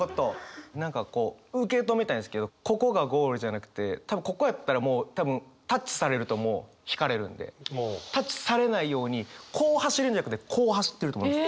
何かこう受け止めたいんですけどここがゴールじゃなくて多分ここやったらもう多分タッチされるともう引かれるんでタッチされないようにこう走るんじゃなくてこう走ってると思います。